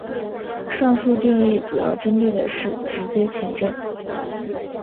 上述定义主要针对的是直接前震。